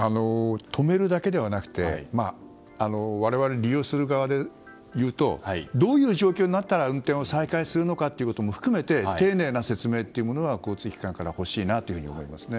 止めるだけではなくて我々利用する側でいうとどういう状況になったら運転を再開するのかということも含めて丁寧な説明が交通機関からほしいなと思いますね。